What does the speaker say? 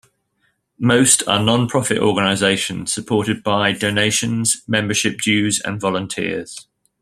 Most are non-profit organisations supported by donations, membership dues, and volunteers.